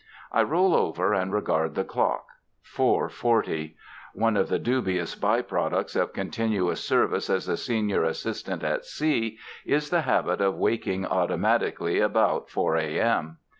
I roll over and regard the clock. Four forty. One of the dubious by products of continuous service as a senior assistant at sea is the habit of waking automatically about 4 A. M.